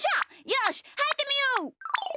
よしはいってみよう。